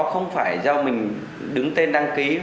không phải do mình đứng tên đăng ký